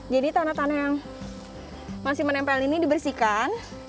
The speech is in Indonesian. jadi tanah tanah yang masih menempel ini dibersihkan